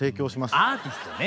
アーティストね。